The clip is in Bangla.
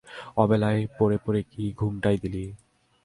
অবেলায় পড়ে পড়ে কি ঘুমটাই দিলি?